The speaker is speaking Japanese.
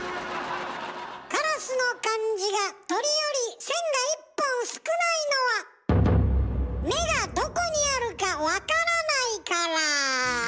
カラスの漢字が「鳥」より線が一本少ないのは目がどこにあるかわからないから。